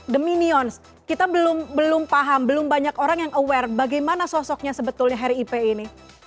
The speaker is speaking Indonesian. the minions kita belum paham belum banyak orang yang aware bagaimana sosoknya sebetulnya harry ipe ini